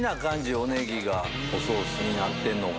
おネギがおソースになってんのが。